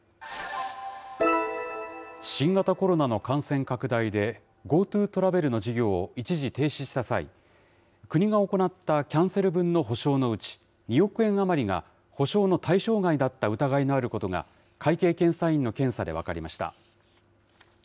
新型コロナの感染拡大で、ＧｏＴｏトラベルの事業を一時停止した際、国が行ったキャンセル分の補償のうち２億円余りが補償の対象外だった疑いのあることが、会計検査院の検査で分かりました。